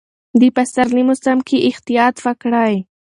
د پسرلي موسم کې احتیاط وکړئ.